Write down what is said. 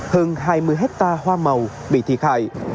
hơn hai mươi hectare hoa màu bị thiệt hại